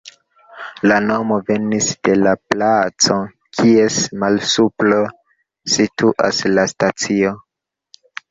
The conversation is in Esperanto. La nomo venis de la placo, kies malsupro situas la stacio.